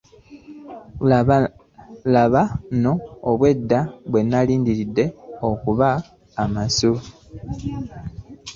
Laba nno obwedda bwe nneerabidde okubawa amasu!